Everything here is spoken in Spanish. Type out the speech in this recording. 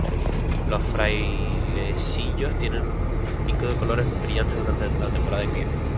Los frailecillos tienen con un pico de colores brillantes durante la temporada de cría.